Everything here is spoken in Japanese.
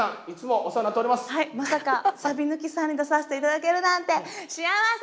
まさか「サビ抜き」さんに出させて頂けるなんて幸せ！